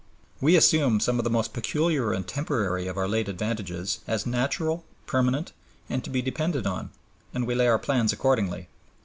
We assume some of the most peculiar and temporary of our late advantages as natural, permanent, and to be depended on, and we lay our plans accordingly.